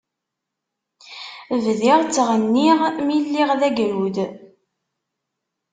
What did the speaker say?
Bdiɣ ttɣenniɣ mi lliɣ d agrud.